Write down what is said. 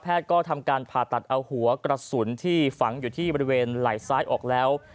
ก็ทำการผ่าตัดเอาหัวกระสุนที่ฝังอยู่ที่บริเวณไหล่ซ้ายออกแล้ว